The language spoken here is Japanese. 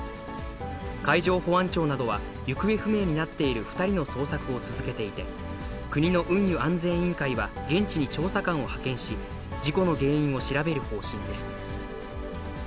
海上保安庁などは、行方不明になっている２人の捜索を続けていて、国の運輸安全委員会は現地に調査官を派遣し、事故の原因を調べる方針です。